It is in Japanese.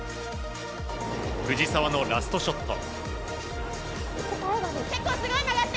藤澤のラストショット。